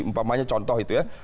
mumpamanya contoh itu ya